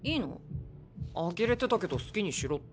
あきれてたけど好きにしろって。